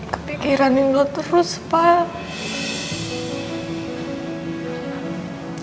kepikiran nino terus pak